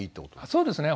そうですね。